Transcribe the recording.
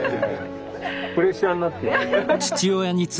プレッシャーになってるんですよ。